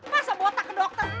masa botak ke dokter